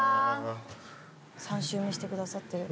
３周目してくださってる。